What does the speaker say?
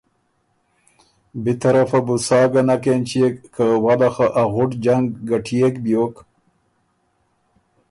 بی طرفه بُو سا ګۀ نک اېنچيېک که وله خه ا غُټ جنګ ګټيېک بیوک